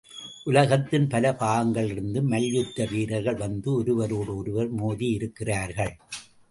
உலகத்தின் பல பாகங்களிலிருந்து மல்யுத்த வீரர்கள் வந்து ஒருவரோடு ஒருவர் மோதியிருக்கிறார்கள்.